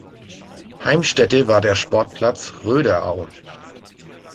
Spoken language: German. Heimstätte war der "Sportplatz Röderau".